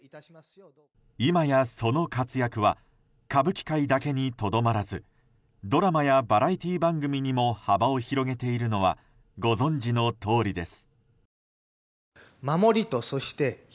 今や、その活躍は歌舞伎界だけにとどまらずドラマやバラエティー番組にも幅を広げているのはご存じのとおりです。